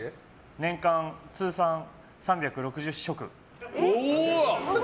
年間通算３６０食。